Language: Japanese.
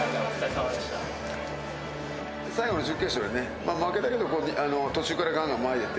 最後の。